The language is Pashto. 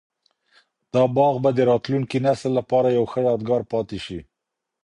دا باغ به د راتلونکي نسل لپاره یو ښه یادګار پاتي شي.